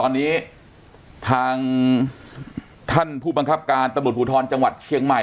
ตอนนี้ทางท่านผู้บังคับการตำรวจภูทรจังหวัดเชียงใหม่